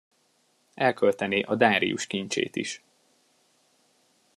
Elköltené a Dárius kincsét is.